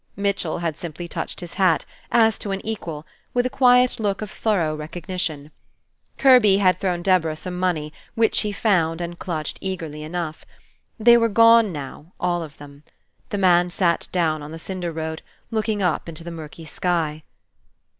Mitchell had simply touched his hat, as to an equal, with a quiet look of thorough recognition. Kirby had thrown Deborah some money, which she found, and clutched eagerly enough. They were gone now, all of them. The man sat down on the cinder road, looking up into the murky sky.